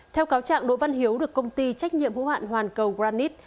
theo cáo trạng đỗ văn hiếu được công ty trách nhiệm hữu hạn hoàn cầu granite